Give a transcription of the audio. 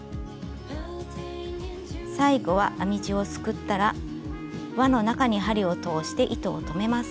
最後は編み地をすくったら輪の中に針を通して糸を留めます。